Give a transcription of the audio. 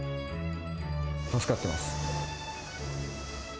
助かってます。